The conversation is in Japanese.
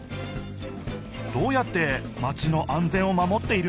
どうやってマチの安全を守っているのかな？